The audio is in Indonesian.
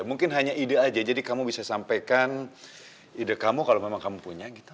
mungkin hanya ide aja jadi kamu bisa sampaikan ide kamu kalau memang kamu punya gitu